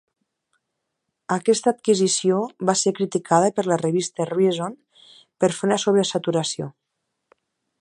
Aquesta adquisició va ser criticada per la revista "Reason" per fer una sobresaturació.